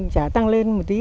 trả tăng lên một tí